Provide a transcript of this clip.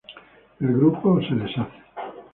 El grupo se deshace.